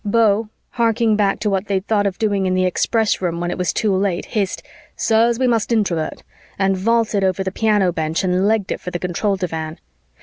Beau, harking back to what they'd thought of doing in the Express Room when it was too late, hissed, "Sirs, we must Introvert," and vaulted over the piano bench and legged it for the control divan.